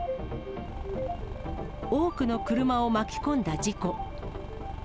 多くの車を巻き込んだ事故。